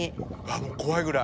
もう怖いぐらい。